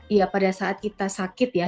iya pada saat kita sakit ya